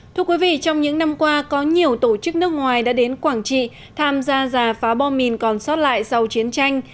trong những năm qua có nhiều tổ chức nước ngoài đã đến quảng trị tham gia giả phá bom mìn còn sót lại sau chiến tranh